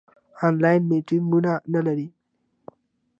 آنلاین میټینګونه لرئ؟